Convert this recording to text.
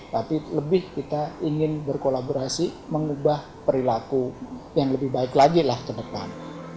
tapi lebih kita ingin berkolaborasi mengubah perilaku yang lebih baik lagi lah ke depan